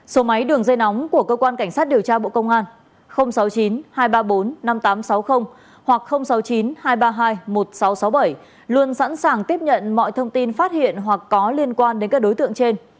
số máy đường dây nóng của cơ quan cảnh sát điều tra bộ công an sáu mươi chín hai trăm ba mươi bốn năm nghìn tám trăm sáu mươi hoặc sáu mươi chín hai trăm ba mươi hai một nghìn sáu trăm sáu mươi bảy luôn sẵn sàng tiếp nhận mọi thông tin phát hiện hoặc có liên quan đến các đối tượng trên